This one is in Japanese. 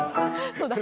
そうだ。